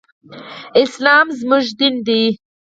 اسلام زمونږ دين دی.